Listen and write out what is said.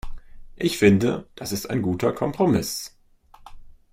Ich finde, das ist ein guter Kompromiss.